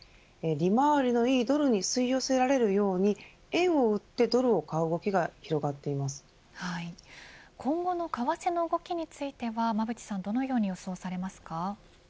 利回りのいいドルに吸い寄せられるように円を売ってドルを買う動きが今後の為替の動きについては馬渕さんどのように予想されますか。